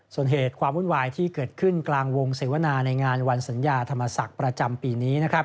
ส่วนเหตุความวุ่นวายที่เกิดขึ้นกลางวงเสวนาในงานวันสัญญาธรรมศักดิ์ประจำปีนี้